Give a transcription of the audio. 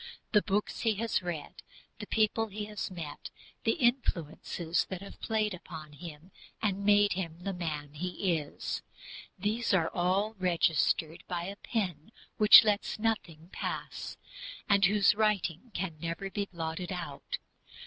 The books he has read, the people he has met, the companions he keeps, the influences that have played upon him and made him the man he is these are all registered there by a pen which lets nothing pass, and whose writing can NEVER BE BLOTTED OUT.